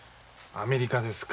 アメリカですか。